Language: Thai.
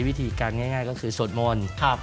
วิธีการง่ายก็คือสวดมนต์